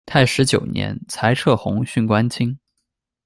泰始九年，裁撤弘训宫卿。